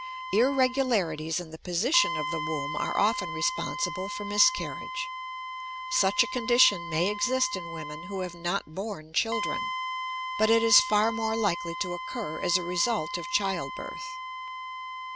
Irregularities in the position of the womb are often responsible for miscarriage. Such a condition may exist in women who have not borne children, but it is far more likely to occur as a result of childbirth.